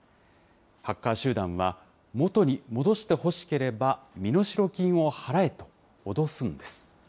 ハッカー集団は、元に戻してほしければ身代金を払えと脅すんです。